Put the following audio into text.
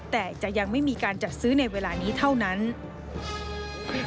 แต่จะยังไม่มีการจัดซื้อในเวลานี้เท่านั้น